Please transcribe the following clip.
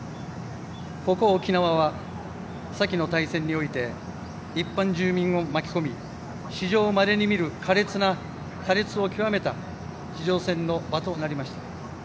ここ沖縄は、先の大戦において一般住民を巻き込み史上まれに見る苛烈を極めた地上戦の場となりました。